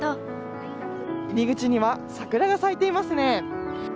入り口には桜が咲いていますね。